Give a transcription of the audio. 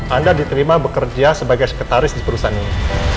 anda diterima bekerja sebagai sekretaris di perusahaan ini